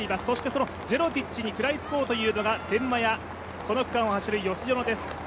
そのジェロティッチに食らいつこうというのが天満屋、この区間を走る吉薗です